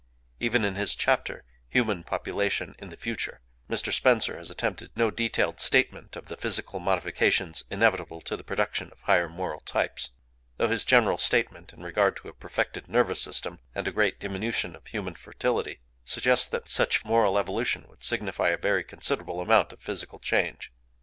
Even in his chapter, "Human Population in the Future," Mr. Spencer has attempted no detailed statement of the physical modifications inevitable to the production of higher moral types,—though his general statement in regard to a perfected nervous system, and a great diminution of human fertility, suggests that such moral evolution would signify a very considerable amount of physical change.